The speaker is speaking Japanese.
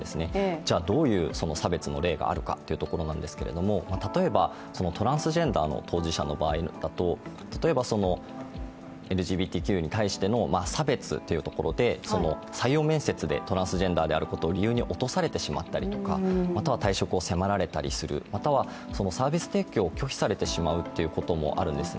じゃあどういう差別の例があるかというところなんですけれども、例えば、トランスジェンダーの当事者の場合だと、例えばＬＧＢＴＱに対しての差別というところで採用面接でトランスジェンダーであることを理由に落とされてしまったり退職を迫られてしまったりする、またはサービス提供を拒否されてしまうということもあるんですね。